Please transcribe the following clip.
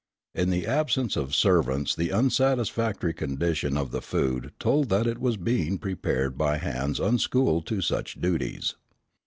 In the absence of servants the unsatisfactory condition of the food told that it was being prepared by hands unschooled to such duties.